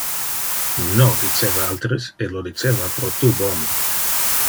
No! Diceva alteres, e lo diceva pro tu bon.